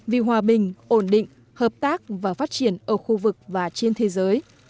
vì hòa bình ổn định hợp tác và phát triển ở khu vực và trên thế giới